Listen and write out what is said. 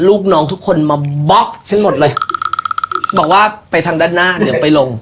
ลูกน้องทุกคนมาบล็อกฉันหมดเลยบอกว่าไปทางด้านหน้าเดี๋ยวไปลง